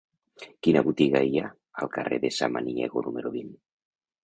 Quina botiga hi ha al carrer de Samaniego número vint?